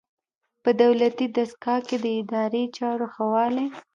په دولتي دستګاه کې د اداري چارو ښه والی.